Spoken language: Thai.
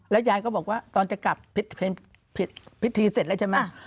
ยายก็บอกว่าตอนจะกลับพิธีเสร็จแล้วใช่ไหม